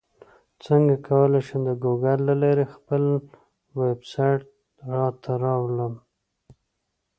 څنګه کولی شم د ګوګل له لارې خپل ویبسایټ راته راولم